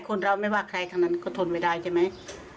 คนเราไม่ว่าใครทั้งนั้นก็ทนไม่ได้ใช่ไหม